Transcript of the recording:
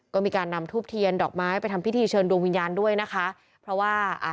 ก็มีการนำทูบเทียนดอกไม้ไปทำพิธีเชิญดวงวิญญาณด้วยนะคะเพราะว่าอ่ะ